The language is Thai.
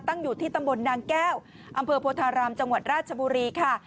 อยู่ที่ตำบลนางแก้วอำเภอโพธารามจังหวัดราชบุรีค่ะ